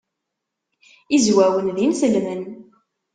Izwawen d inselmen.